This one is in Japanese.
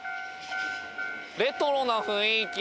レトロな雰囲気。